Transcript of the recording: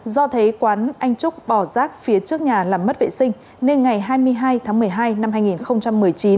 do thấy quán anh trúc bỏ rác phía trước nhà làm mất vệ sinh nên ngày hai mươi hai tháng một mươi hai năm hai nghìn một mươi chín